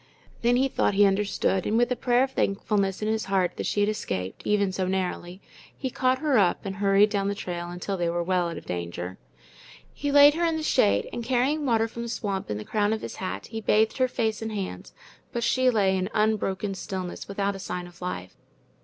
Then he thought he understood, and with a prayer of thankfulness in his heart that she had escaped, even so narrowly, he caught her up and hurried down the trail until they were well out of danger. He laid her in the shade, and carrying water from the swamp in the crown of his hat, he bathed her face and hands; but she lay in unbroken stillness, without a sign of life.